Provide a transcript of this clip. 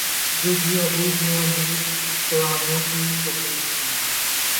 جی جی Hadid نے امید سے ہونے کی تصدیق کردی